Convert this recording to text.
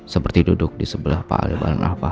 seperti duduk di sebelah pak aldebaran alfahri